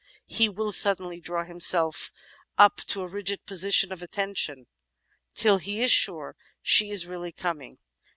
. he will suddenly draw himself up to a rigid position of attention, till he is sure she is really coming.